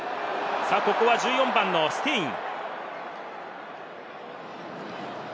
さぁここは１４番のステイン。